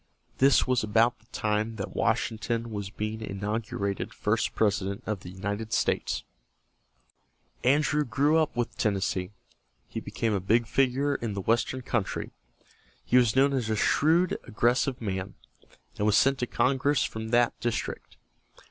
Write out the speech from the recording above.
This was about the time that Washington was being inaugurated first President of the United States. [Illustration: ANDREW JACKSON AT THE BATTLE OF NEW ORLEANS] Andrew grew up with Tennessee. He became a big figure in the western country. He was known as a shrewd, aggressive man, and was sent to Congress from that district.